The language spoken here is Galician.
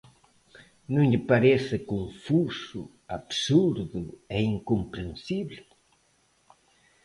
¿Non lle parece confuso, absurdo e incomprensible?